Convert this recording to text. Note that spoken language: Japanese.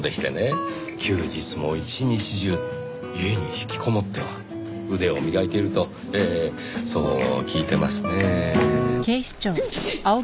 休日も一日中家に引きこもっては腕を磨いているとええそう聞いてますねぇ。